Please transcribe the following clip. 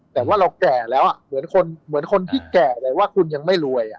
แต่ว่าเราแก่แล้วเหมือนคนเหมือนคนที่แก่เลยว่าคุณยังไม่รวย